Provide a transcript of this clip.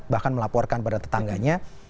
bahkan melaporkan pada tetangganya